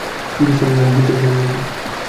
চিকিৎসা নিলে দ্রুত সেরে ওঠে।